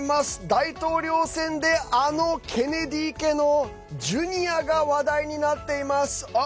大統領選で、あのケネディ家のジュニアが話題になっています。